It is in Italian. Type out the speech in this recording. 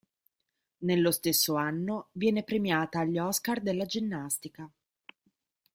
Nello stesso anno viene premiata agli Oscar della ginnastica.